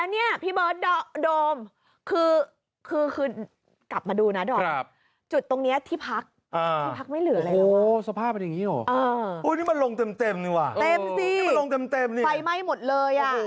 ซึ่งพี่หนุ่ยบอกว่าพอมือถือพี่ใช้งานได้ปั๊บนะรีบโทรบอกญาติเลย